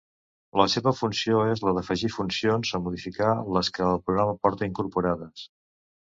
La seva funció és la d'afegir funcions o modificar les que el programa porta incorporades.